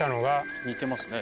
・似てますね。